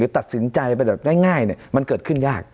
ตัดสินใจไปแบบง่ายมันเกิดขึ้นยาก